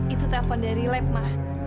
itu telepon dari lab ma